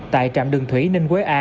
tại trạm đường thủy ninh quế a